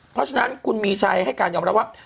เพราะฉะนั้นคุณมีชัยให้การยอมรับว่า